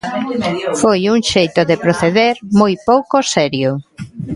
Foi un xeito de proceder moi pouco serio.